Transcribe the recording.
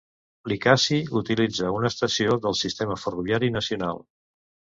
Likasi utilitza una estació del sistema ferroviari nacional.